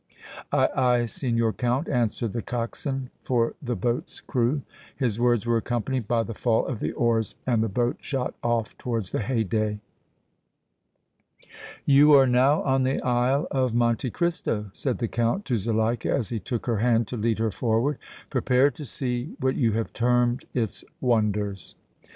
"Aye, aye, Signor Count," answered the coxswain for the boat's crew. His words were accompanied by the fall of the oars and the boat shot off towards the Haydée. "You are now on the Isle of Monte Cristo," said the Count to Zuleika as he took her hand to lead her forward. "Prepare to see what you have termed its wonders!"